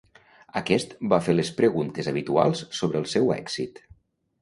Aquest va fer les preguntes habituals sobre el seu èxit.